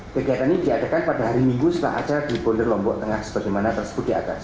kegiatan ini diadakan pada hari minggu setelah acara di bonder lombok tengah sebagaimana tersebut di atas